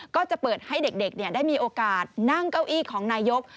ก็จะเปิดให้เด็กได้มีโอกาสนั่งเก้าอี้ของนายก